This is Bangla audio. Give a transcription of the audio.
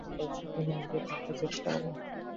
কমবয়েসী মেয়েদের তিনি এড়িয়ে চলতে চেষ্টা করেন।